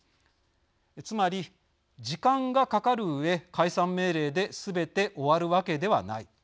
つまり、時間がかかるうえ解散命令ですべて終わるわけではない。